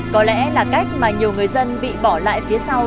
có lẽ là cách mà nhiều người dân bị bỏ lại phía sau